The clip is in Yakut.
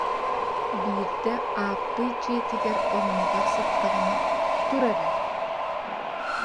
Биирдэ Ааппый дьиэтигэр оронугар сыттаҕына: «Тур эрэ»